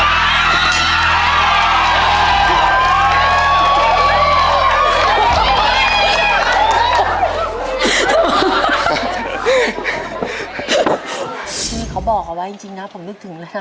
นี่เขาบอกเอาไว้จริงนะผมนึกถึงเลยนะ